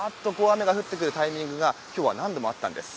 ザーッと雨が降ってくるタイミングが今日、何度もあったんです。